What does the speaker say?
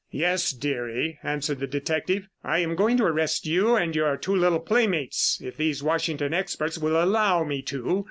"Yes, dearie," answered the detective. "I am going to arrest you and your two little playmates if these Washington experts will allow me to.